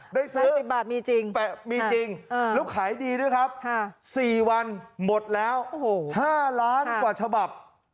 ได้ซื้อมีจริงแล้วขายดีด้วยครับ๔วันหมดแล้ว๕ล้านกว่าฉบับ